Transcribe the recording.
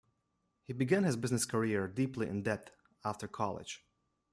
He began his business career deeply in debt after college.